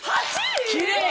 きれい。